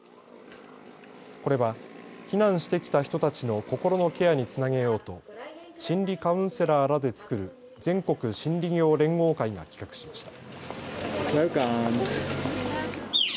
これは避難してきた人たちの心のケアにつなげようと心理カウンセラーらで作る全国心理業連合会が企画しました。